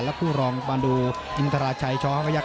และคู่รองบันดุอินทราชัยชภพยักดิ์